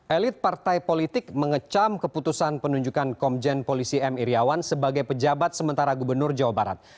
elit partai politik mengecam keputusan penunjukan komjen polisi m iryawan sebagai pejabat sementara gubernur jawa barat